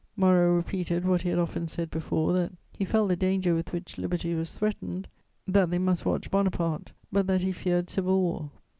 Moreau repeated what he had often said before, that "he felt the danger with which liberty was threatened, that they must watch Bonaparte, but that he feared civil war."